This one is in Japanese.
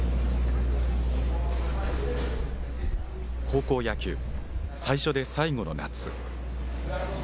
高校野球、最初で最後の夏。